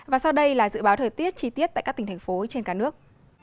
và sau đây là dự báo thời tiết chi tiết tại các tỉnh thành phố trên cả nước